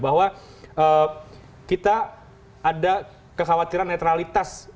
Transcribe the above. bahwa kita ada kekhawatiran netralitas